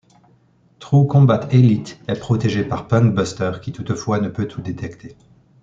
TrueCombat: Elite est protégé par PunkBuster qui toutefois ne peut tout détecter.